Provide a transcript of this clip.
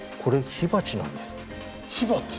火鉢。